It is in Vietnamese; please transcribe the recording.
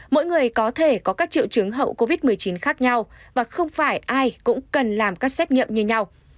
mỗi người có thể có các triệu chứng hậu covid một mươi chín khác nhau và không phải ai cũng cần làm các xét nghiệm như nhau